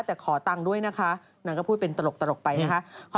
แต่ขอตังค์ด้วยนะคะนางก็พูดเป็นตลกไปนะคะ